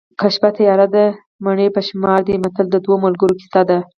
که شپه تیاره ده مڼې په شمار دي متل د دوو ملګرو کیسه ده